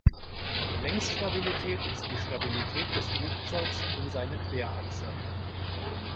Längsstabilität ist die Stabilität des Flugzeugs um seine Querachse.